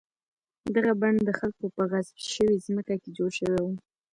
دغه بڼ د خلکو په غصب شوې ځمکه کې جوړ شوی و.